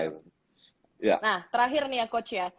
nah terakhir nih ya coach ya